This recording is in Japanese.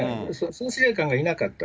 総司令官がいなかった。